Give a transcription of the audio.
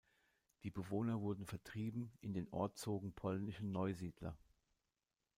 Die Bewohner wurden vertrieben; in den Ort zogen polnische Neusiedler.